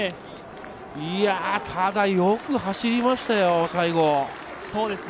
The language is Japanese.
いや、ただよく走りましたよ、最後。